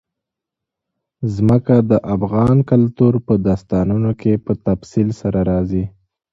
ځمکه د افغان کلتور په داستانونو کې په تفصیل سره راځي.